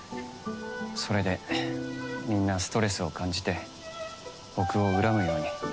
それでみんなストレスを感じて僕を恨むように。